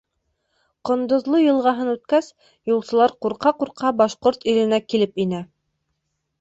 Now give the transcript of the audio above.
Ҡондоҙло йылғаһын үткәс, юлсылар, ҡурҡа-ҡурҡа, Башҡорт иленә килеп инә.